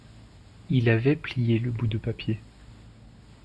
il avait plié le bout de papier.